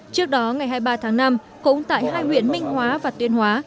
trước đó ngày hai mươi ba tháng năm cũng tại hai huyện minh hóa và tuyên hóa